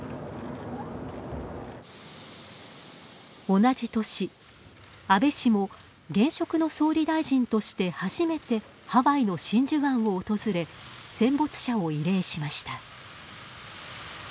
同じ年安倍氏も、現職の総理大臣として初めてハワイの真珠湾を訪れ戦没者を慰霊しました。